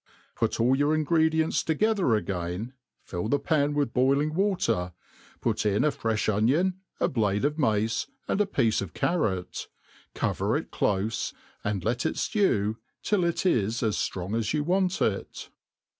Put all your ingredients: together again, fill the pan with 'boil* " ing water, put4n a frefti onion, a blade of mace, and a piece of carrot i cover it clofe,.and let it ftew till it is as Arong as you want it.